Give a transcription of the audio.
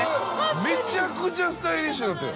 めちゃくちゃスタイリッシュになってる。